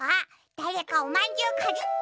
だれかおまんじゅうかじった！